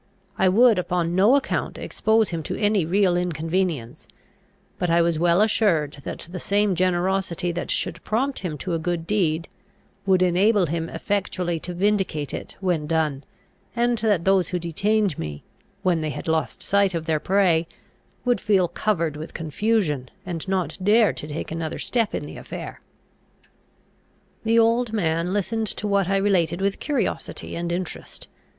I would upon no account expose him to any real inconvenience; but I was well assured that the same generosity that should prompt him to a good deed, would enable him effectually to vindicate it when done; and that those who detained me, when they had lost sight of their prey, would feel covered with confusion, and not dare to take another step in the affair. The old man listened to what I related with curiosity and interest.